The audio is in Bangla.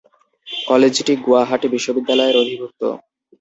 কলেজটি গুয়াহাটি বিশ্ববিদ্যালয়ের অধিভুক্ত।